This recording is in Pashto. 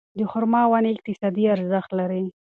د خورما ونې اقتصادي ارزښت لري.